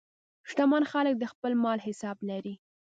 شتمن خلک د خپل مال حساب لري.